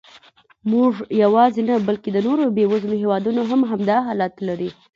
موږ یواځې نه، بلکې د نورو بېوزلو هېوادونو هم همدا حالت لري.